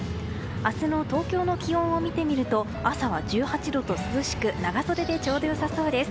明日の東京の気温を見てみると朝は１８度と涼しく長袖でちょうど良さそうです。